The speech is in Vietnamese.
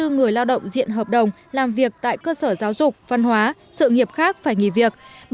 một trăm chín mươi bốn người lao động diện hợp đồng làm việc tại cơ sở giáo dục văn hóa sự nghiệp khác phải nghỉ việc